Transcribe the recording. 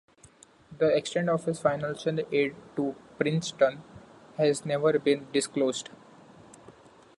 The extent of his financial aid to Princeton has never been disclosed.